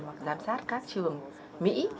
hoặc giám sát các trường mỹ